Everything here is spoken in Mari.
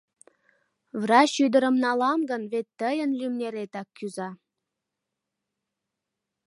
Врач ӱдырым налам гын, вет тыйын лӱмнеретак кӱза.